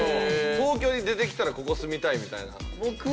東京に出てきたらここ住みたいみたいなのは？